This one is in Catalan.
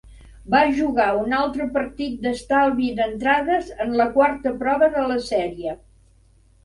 Va jugar un altre partit d'estalvi d'entrades en la quarta prova de la sèrie.